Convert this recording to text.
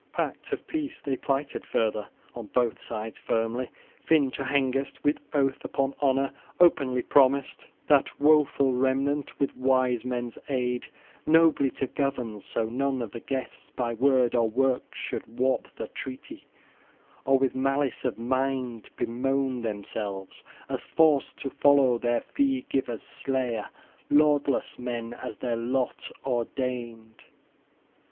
Pact of peace they plighted further on both sides firmly. Finn to Hengest with oath, upon honor, openly promised that woful remnant, with wise men's aid, nobly to govern, so none of the guests by word or work should warp the treaty, {16h} or with malice of mind bemoan themselves as forced to follow their fee giver's slayer, lordless men, as their lot ordained.